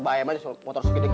kayak jadi maksimik